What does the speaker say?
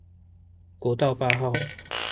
國道八號